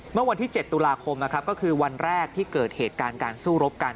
เมื่อวันที่๗ตุลาคมนะครับก็คือวันแรกที่เกิดเหตุการณ์การสู้รบกัน